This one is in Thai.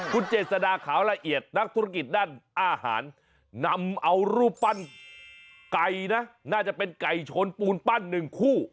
คุณเจษดาขาวละเอียดนักธุรกิจด้านอาหารนำเอารูปปั้นไก่นะน่าจะเป็นไก่ชนปูนปั้นหนึ่งคู่